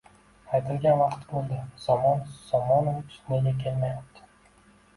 Aytilgan vaqt bo`ldi, Somon Somonovich nega kelmayapti